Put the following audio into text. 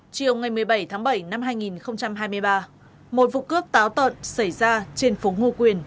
chiều ngày một mươi bảy tháng bảy năm hai nghìn hai mươi ba một vụ cướp táo tợn xảy ra trên phố ngo quyền